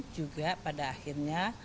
juga pada akhirnya